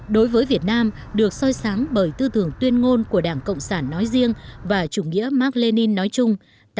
đối với việt nam được soi sáng bởi tư tưởng tuyên ngôn của đảng cộng sản nói riêng và chủ nghĩa mark lenin nói chung